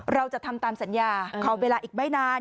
เราจะทำตามสัญญาขอเวลาอีกไม่นาน